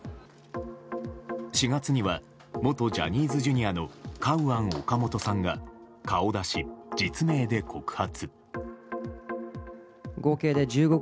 ４月には元ジャニーズＪｒ．のカウアン・オカモトさんが顔出し、実名で告発。